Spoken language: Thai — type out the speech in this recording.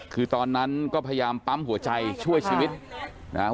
คือตอนนั้นก็พยายามปั๊มหัวใจช่วยชีวิตนะฮะ